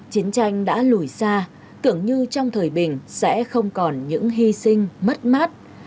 chiến tranh đã lùi xa tưởng như trong thời bình sẽ không còn những hy sinh mất mát